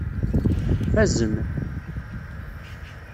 Fazen.